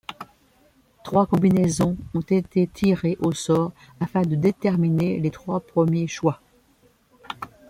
Trois combinaisons ont été tirées au sort afin de déterminer les trois premiers choix.